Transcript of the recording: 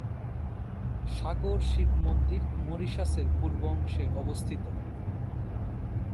সাগর শিব মন্দির মরিশাসের পূর্ব অংশে অবস্থিত।